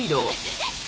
えっ！？